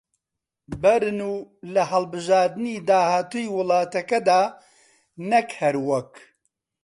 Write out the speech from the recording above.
بەرن و لە هەڵبژاردنی داهاتووی وڵاتەکەدا نەک هەر وەک